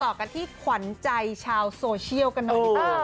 ต่อกันที่ขวัญใจชาวโซเชียลกันหน่อยดีกว่า